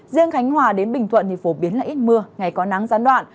riêng khánh hòa đến bình thuận thì phổ biến là ít mưa ngày có nắng gián đoạn